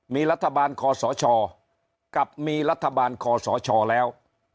มีรัฐบาลคอสชกับมีรัฐบาลคอสชแล้ว